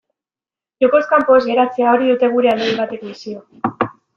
Jokoz kanpo ez geratzea, hori dute gurean hainbatek misio.